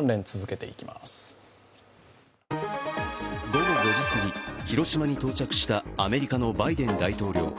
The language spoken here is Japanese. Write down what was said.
午後５時すぎ、広島に到着したアメリカのバイデン大統領。